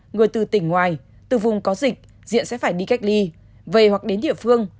người từ tỉnh ngoài từ vùng có dịch diện sẽ phải đi cách ly về hoặc đến địa phương